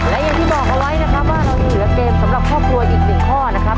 และอย่างที่บอกเอาไว้นะครับว่าเรายังเหลือเกมสำหรับครอบครัวอีกหนึ่งข้อนะครับ